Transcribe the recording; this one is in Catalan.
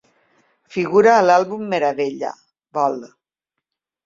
Figura a l'Àlbum meravella, Vol.